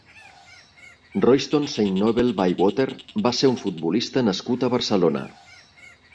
Royston Saint Noble Bywater va ser un futbolista nascut a Barcelona.